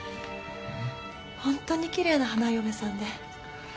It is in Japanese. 本当にきれいな花嫁さんで。